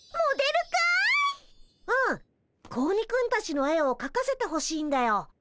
うん子鬼くんたちの絵をかかせてほしいんだよ。